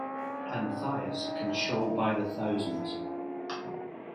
Anthias can shoal by the thousands.